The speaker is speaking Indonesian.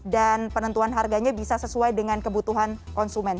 dan penentuan harganya bisa sesuai dengan kebutuhan konsumen